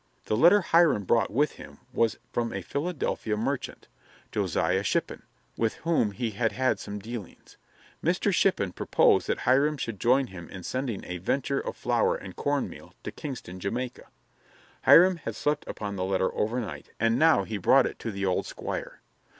The letter Hiram brought with him was from a Philadelphia merchant, Josiah Shippin, with whom he had had some dealings. Mr. Shippin proposed that Hiram should join him in sending a "venture" of flour and corn meal to Kingston, Jamaica. Hiram had slept upon the letter overnight and now he brought it to the old Squire.